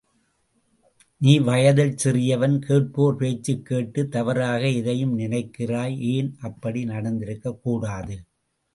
நீ வயதில் சிறியவன், கேட்பார் பேச்சுக் கேட்டு நீ தவறாக எதையும் நினைக்கிறாய் ஏன் அப்படி நடந்திருக்கக் கூடாது?